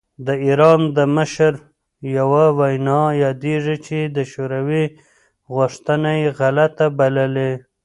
د ایران د مشر یوه وینا یادېږي چې د شوروي غوښتنه یې غلطه بللې.